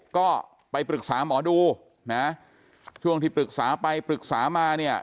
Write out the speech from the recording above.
ก็ไปปรึกษาหมอดูนะช่วงที่ปรึกษาไปปรึกษามาเนี่ย